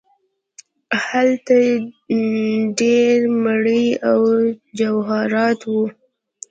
هلته ډیر مړي او جواهرات وو.